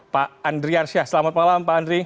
pak andri arsyah selamat malam pak andri